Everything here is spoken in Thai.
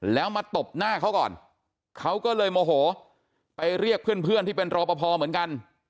แล้วมาตบหน้าเขาก่อนเขาก็เลยโมโหไปเรียกเพื่อนที่เป็นรอปภเหมือนกัน